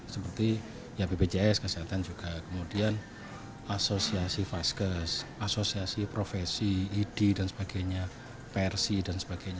seperti bpjs kesehatan juga kemudian asosiasi faskes asosiasi profesi idi dan sebagainya persi dan sebagainya